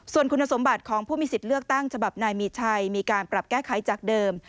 ส่วนคุณสมบัติของผู้มีสิทธิ์เลือกตั้งฉบับนายมีชัยมีการปรับแก้ไขจากเดิม